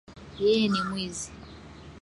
Yeye ni mwizi